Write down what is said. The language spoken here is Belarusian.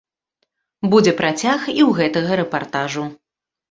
Будзе працяг і ў гэтага рэпартажу.